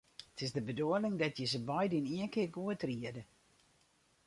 It is de bedoeling dat je se beide yn ien kear goed riede.